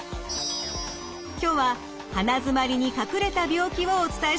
今日は鼻づまりに隠れた病気をお伝えします。